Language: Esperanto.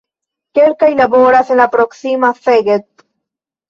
Kelkaj laboras en la proksima Szeged.